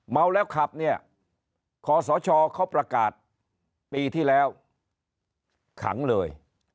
เมาแล้วขับเนี่ยคอสชเขาประกาศปีที่แล้วขังเลย